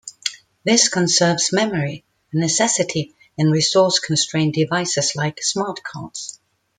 This conserves memory, a necessity in resource constrained devices like smart cards.